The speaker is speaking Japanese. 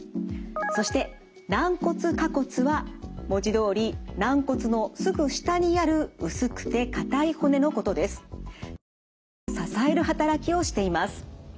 そして軟骨下骨は文字どおり軟骨のすぐ下にある薄くて硬い骨のことです。をしています。